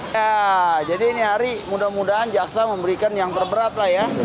ya jadi ini hari mudah mudahan jaksa memberikan yang terberat lah ya